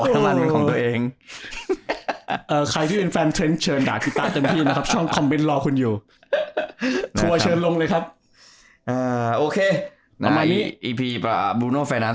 ถ้าเป็นเทรนด์นะ